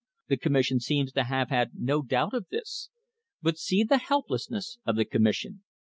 The Commission seems to have had no doubt of this. But see the helplessness of the Commission.